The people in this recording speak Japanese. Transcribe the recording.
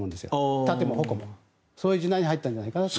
そういう時代に入ったんじゃないかなと。